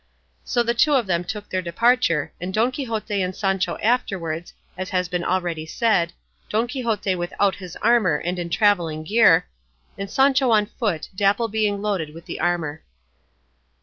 So the two of them took their departure, and Don Quixote and Sancho afterwards, as has been already said, Don Quixote without his armour and in travelling gear, and Sancho on foot, Dapple being loaded with the armour.